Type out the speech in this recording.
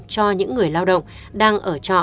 cho những người lao động đang ở trọ